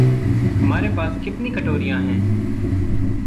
हमारे पास कितनी कटोरियाँ हैं?